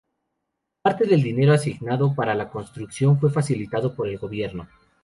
Parte del dinero asignado para la construcción fue facilitado por el gobierno.